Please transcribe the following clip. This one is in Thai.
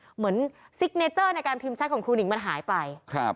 ซิกเนเจอร์ในการพิมพ์แชทของครูหนิงมันหายไป